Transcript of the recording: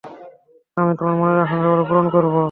আমি তোমার মনের আকাঙ্ক্ষাগুলো পূরণ করব।